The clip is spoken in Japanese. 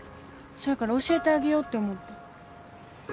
そやから教えてあげようって思って。